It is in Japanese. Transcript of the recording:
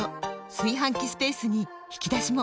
炊飯器スペースに引き出しも！